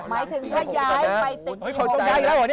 หมายถึงถ้าย้ายไปติดปี๖๐